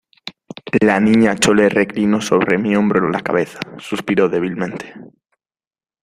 la Niña Chole reclinó sobre mi hombro la cabeza, suspiró débilmente